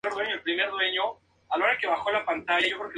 Posee dos maestrías: en física, filosofía, y en geología.